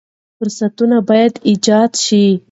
فرصتونه باید ایجاد شي.